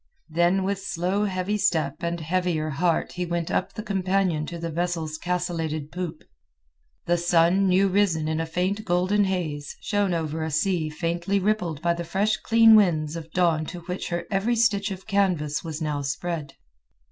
Then with slow heavy step and heavier heart he went up the companion to the vessel's castellated poop. The sun, new risen in a faint golden haze, shone over a sea faintly rippled by the fresh clean winds of dawn to which their every stitch of canvas was now spread.